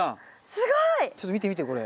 すごい！ちょっと見て見てこれ。